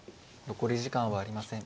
残り時間はありません。